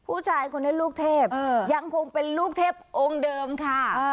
ผู้ชายคนนี้ลูกเทพยังคงเป็นลูกเทพองค์เดิมค่ะ